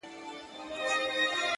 که په ژړا کي مصلحت وو، خندا څه ډول وه،